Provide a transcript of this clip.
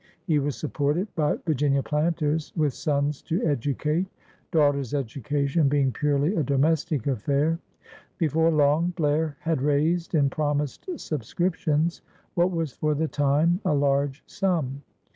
He was supported by Virginia planters with sons to educate — daugh ters' education being purely a domestic affair. Before long Blair had raised in promised subscrip tions what was for the time a large sum.